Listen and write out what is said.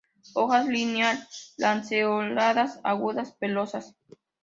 Hojas lineal-lanceoladas agudas, pelosas.